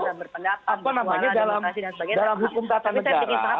apa namanya dalam hukum kata negara